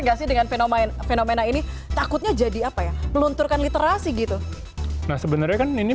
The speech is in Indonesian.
gak sih dengan fenomena fenomena ini takutnya jadi apa ya melunturkan literasi gitu nah sebenarnya kan ini